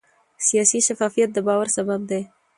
سیاسي شفافیت د باور سبب دی